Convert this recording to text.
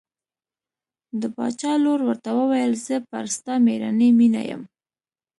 د باچا لور ورته وویل زه پر ستا مېړانې مینه یم.